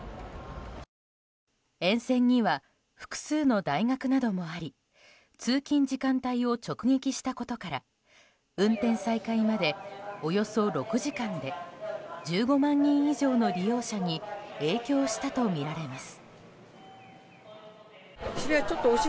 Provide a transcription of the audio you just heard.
沿線には複数の大学などもあり通勤時間帯を直撃したことから運転再開まで、およそ６時間で１５万人以上の利用者に影響したとみられます。